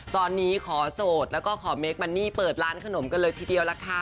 ตอนนี้ขอโสดแล้วก็ขอเมคมันนี่เปิดร้านขนมกันเลยทีเดียวล่ะค่ะ